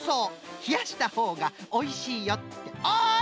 ひやしたほうがおいしいよっておい！